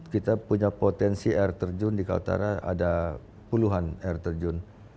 kita punya potensi air terjun di kaltara ada puluhan air terjun